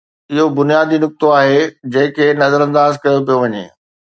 اهو بنيادي نقطو آهي جنهن کي نظرانداز ڪيو پيو وڃي.